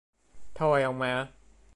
Thôi ông ạ